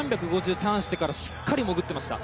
ターンしてからしっかり潜ってました。